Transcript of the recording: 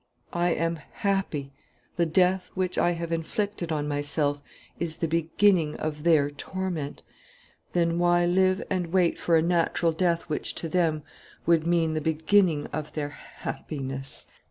"I am happy. The death which I have inflicted on myself is the beginning of their torment. Then why live and wait for a natural death which to them would mean the beginning of their happiness?